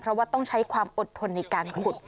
เพราะว่าต้องใช้ความอดทนในการขุด